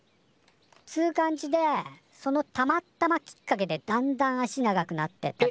つう感じでそのたまったまきっかけでだんだん足長くなってっただけで。